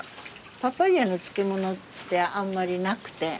パパイアの漬物ってあんまりなくて。